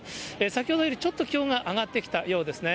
先ほどよりちょっと気温が上がってきたようですね。